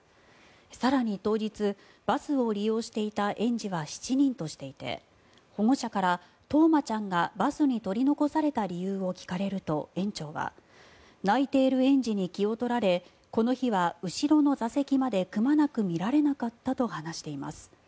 更に当日、バスを利用していた園児は７人としていて保護者から、冬生ちゃんがバスに取り残された理由を聞かれると、園長は泣いている園児に気を取られこの日は後ろの座席までくまなく見られなかったと話しています。